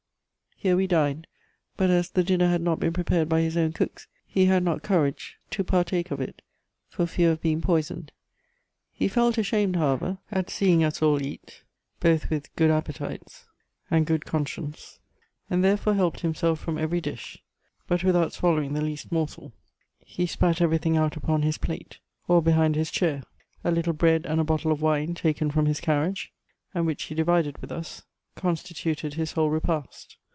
Here we dined, but as the dinner had not been prepared by his own cooks, he had not courage to partake of it, for fear of being poisoned. He felt ashamed, however, at seeing us all eat, both with good appetites and good conscience, and therefore helped himself from every dish, but without swallowing the least morsel. He spat everything out upon his plate or behind his chair. A little bread and a bottle of wine taken from his carriage, and which he divided with us, constituted his whole repast.